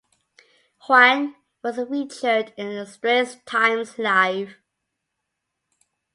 Huang was featured in the Straits Times Life!